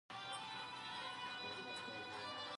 ترانسپورت باید اسانه شي.